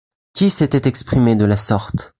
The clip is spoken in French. Qui s’était exprimé de la sorte?...